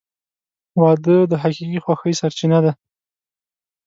• واده د حقیقي خوښۍ سرچینه ده.